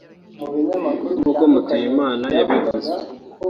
nk’uko Mutuyimana yabivuze